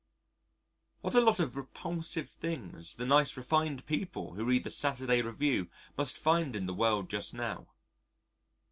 What a lot of repulsive things the nice refined people who read the Saturday Review must find in the world just now.